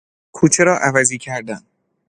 کوچه را عوضی کردن